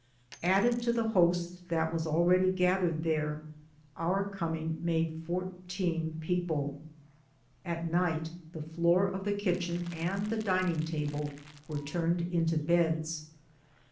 Added to the host 76 THE SOUL OF AN IMMIGRANT that was already gathered there, our coming made fourteen people. At night the floor of the kitchen and the dining table were turned into beds.